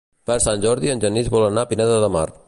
Per Sant Jordi en Genís vol anar a Pineda de Mar.